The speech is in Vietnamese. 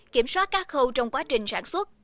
kiểm soát các khâu trong quá trình sản xuất